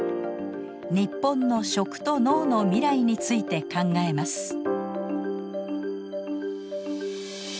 日本の食と農の未来について考えます。